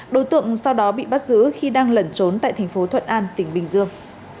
đối tượng sau đó bị bắt giữ khi đang lẩn trốn tại thành phố thuận an tỉnh bình dương